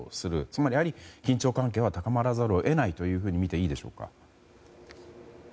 つまり緊張関係は高まらざるを得ないとみていいでしょうか。